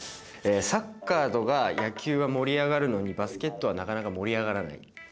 サッカーとか野球は盛り上がるのにバスケットはなかなか盛り上がらない。